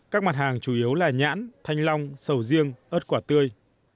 các mặt hàng chủ yếu là nhãn thanh long sầu riêng ớt quả tươi